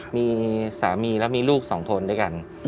มีสามีแล้วมีลูกสองคนด้วยกัน